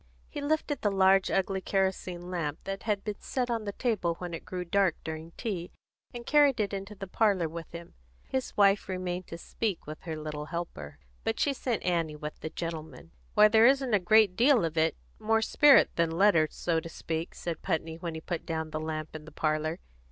He lifted the large ugly kerosene lamp that had been set on the table when it grew dark during tea, and carried it into the parlour with him. His wife remained to speak with her little helper, but she sent Annie with the gentlemen. "Why, there isn't a great deal of it more spirit than letter, so to speak," said Putney, when he put down the lamp in the parlour.